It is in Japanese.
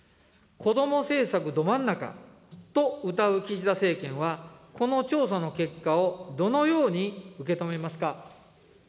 子ども政策ど真ん中とうたう岸田政権は、この調査の結果をどのように受け止めますか。